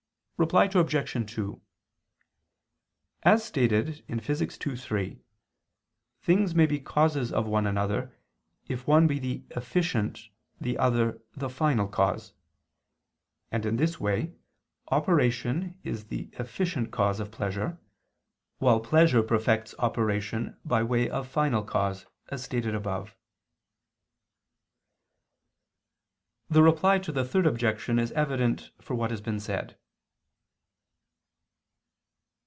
Reply Obj. 2: As stated in Phys. ii, 3 two things may be causes of one another, if one be the efficient, the other the final cause. And in this way, operation is the efficient cause of pleasure, while pleasure perfects operation by way of final cause, as stated above. The Reply to the Third Objection is evident for what has been said.